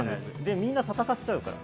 みんな戦っちゃうから。